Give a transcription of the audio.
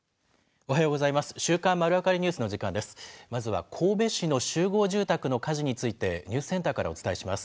おはようございます。